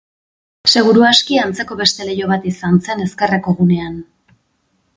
Seguru aski antzeko beste leiho bat izan zen ezkerreko gunean.